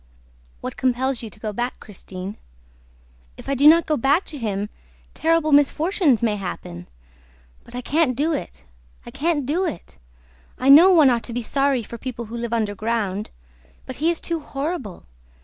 "What compels you to go back, Christine?" "If I do not go back to him, terrible misfortunes may happen! ... But I can't do it, I can't do it! ... I know one ought to be sorry for people who live underground ... But he is too horrible!